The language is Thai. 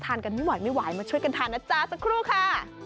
กันไม่ไหวไม่ไหวมาช่วยกันทานนะจ๊ะสักครู่ค่ะ